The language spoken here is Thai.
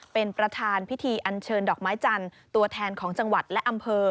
เป็นประธานพิธีอันเชิญดอกไม้จันทร์ตัวแทนของจังหวัดและอำเภอ